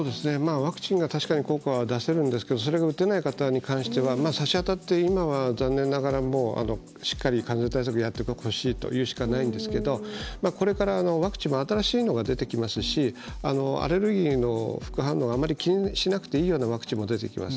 ワクチンが確かに効果が出せるんですけどそれが打てない方に関してはさしあたって、今はしっかり感染対策をやってほしいというしかないんですけどこれからワクチンも新しいものが出てきますしアレルギーの副反応はあまり気にしなくていいようなワクチンも出てきます。